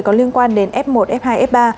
có liên quan đến f một f hai f ba